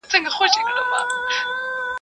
درواغ د ايمان زيان دئ.